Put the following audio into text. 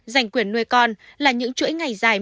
giành quyền nuôi con là những chuỗi ngày dài